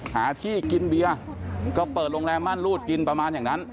หาที่กินเบียร์ก็เปิดโรงแรมม่านรูดกินประมาณอย่างนั้น